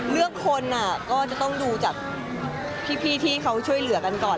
เรื่องคนก็จะต้องดูจากพี่ที่เขาช่วยเหลือกันก่อน